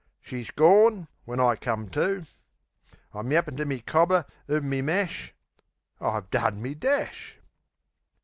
She's gorn, when I come to. I'm yappin' to me cobber uv me mash.... I've done me dash!